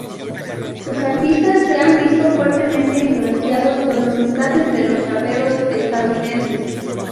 Sus artistas se han visto fuertemente influenciados por los mensajes de los raperos estadounidenses.